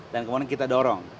dan kemudian kita dorong